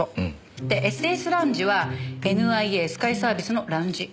でＳＳラウンジはＮＩＡスカイサービスのラウンジ。